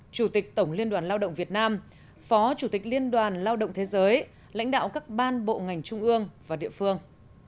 chủ tịch tổng liên đoàn lao động việt nam phó chủ tịch liên đoàn lao động thế giới lãnh đạo các ban bộ ngành trung ương và địa phương